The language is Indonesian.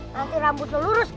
nanti rambut lo lurus